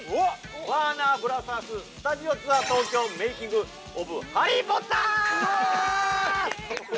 ワーナーブラザーススタジオツアー東京メイキング・オブ・ハリー・ポッター！！